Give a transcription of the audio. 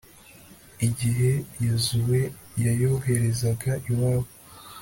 igihe yozuwe yaboherezaga iwabo